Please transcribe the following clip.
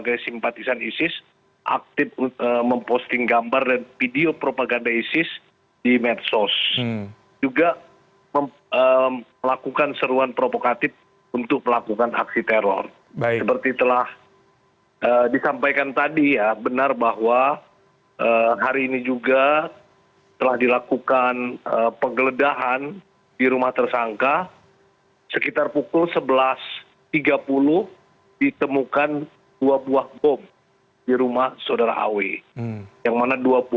kami akan mencari penangkapan teroris di wilayah hukum sleman